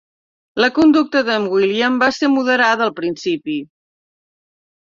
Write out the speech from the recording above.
La conducta d'en William va ser moderada al principi.